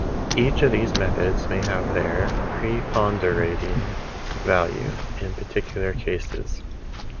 Each of these methods may have their "preponderating value" in particular cases.